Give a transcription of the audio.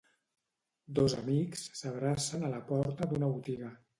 Dos amics s'abracen a la porta d'una botiga